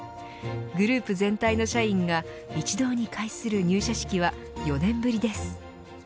グループ全体の社員が一堂に会する入社式は４年ぶりです。